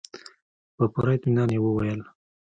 په پوره اطمينان يې وويل.